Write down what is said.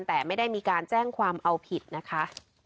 แต่ไม่ได้มีการแจ้งความเอาผิดนะคะ